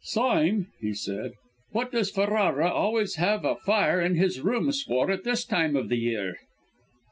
"Sime," he said, "what does Ferrara always have a fire in his rooms for at this time of the year?"